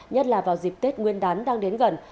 nhất là vào dịp tết nguyên đán đang đến gần